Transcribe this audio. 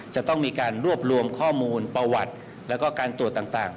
จะต้องมีการรวบรวมข้อมูลประวัติแล้วก็การตรวจต่าง